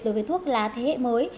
đối với thuốc lá thế hệ mới